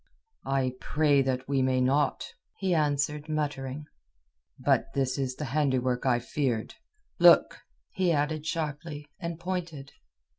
"I pray that we may not," he answered, muttering. "But this is the handiwork I feared. Look!" he added sharply, and pointed.